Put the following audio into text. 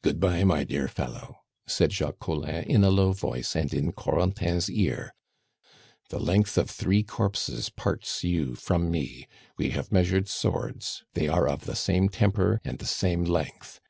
"Good bye, my dear fellow," said Jacques Collin in a low voice, and in Corentin's ear: "the length of three corpses parts you from me; we have measured swords, they are of the same temper and the same length.